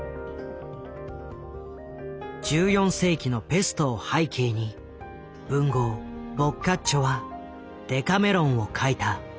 １４世紀のペストを背景に文豪ボッカッチョは「デカメロン」を書いた。